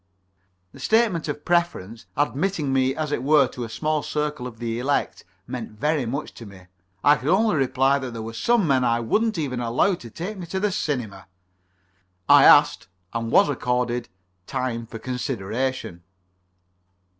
That statement of preference, admitting me as it were to a small circle of the elect, meant very much to me. I could only reply that there were some men I wouldn't even allow to take me to a cinema. I asked, and was accorded, time for consideration.